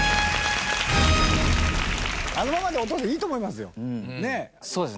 あのままでお父さんいいと思いますよ。